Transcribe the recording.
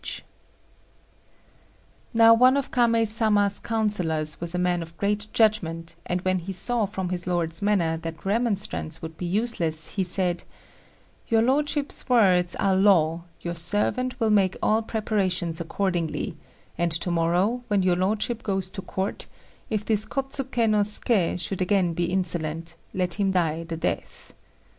] Now one of Kamei Sama's councillors was a man of great judgment, and when he saw from his lord's manner that remonstrance would be useless, he said: "Your lordship's words are law; your servant will make all preparations accordingly; and to morrow, when your lordship goes to Court, if this Kôtsuké no Suké should again be insolent, let him die the death."